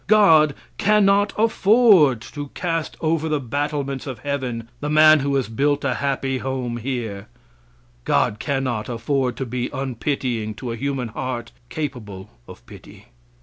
God cannot afford to cast over the battlements of heaven the man who has built a happy home here. God cannot afford to be unpitying to a human heart capable of pity.